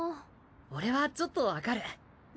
俺はちょっとわかる。